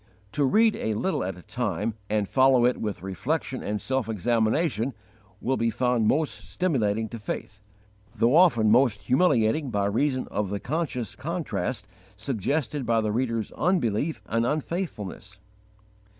To read a little at a time, and follow it with reflection and self examination, will be found most stimulating to faith, though often most humiliating by reason of the conscious contrast suggested by the reader's unbelief and unfaithfulness.